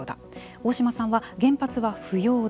大島さんは、原発は不要だ。